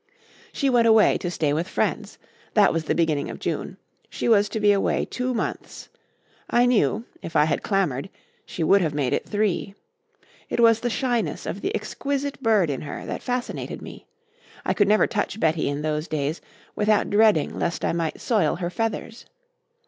She went away to stay with friends. That was the beginning of June. She was to be away two months. I knew, if I had clamoured, she would have made it three. It was the shyness of the exquisite bird in her that fascinated me. I could never touch Betty in those days without dreading lest I might soil her feathers.